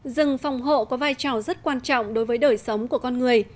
rừng phòng hộ có vai trò rất quan trọng đối với đời sống của con người